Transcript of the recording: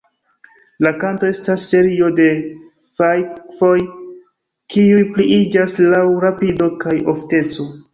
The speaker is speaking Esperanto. La kanto estas serio de fajfoj kiuj pliiĝas laŭ rapido kaj ofteco.